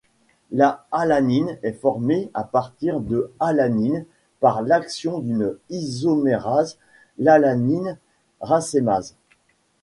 La -alanine est formée à partir de -alanine par l'action d'une isomérase, l'alanine racémase.